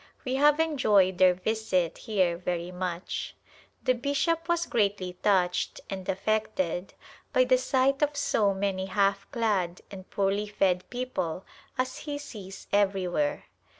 We have enjoyed their visit here very much. The bishop was greatly touched and affected by the sight of so many half clad and poorly fed people as he sees everywhere.